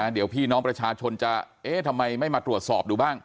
เดี๋ยวพี่น้องประชาชนจะเอ๊ะทำไมไม่มาตรวจสอบดูบ้าง